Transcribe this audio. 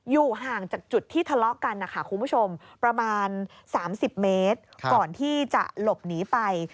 อยู่ห่างจากจุดที่ทะเลาะกันนะคะคุณผู้ชมประมาณ๓๐เมตรก่อนที่จะหลบหนีไป